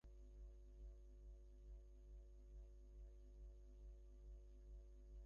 কিন্তু বহুকাল তাঁদের অস্তিত্বের সঙ্গে জড়িয়ে থেকেছে ভয়ে ভয়ে থাকার বাস্তবতা।